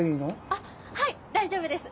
あっはい大丈夫です！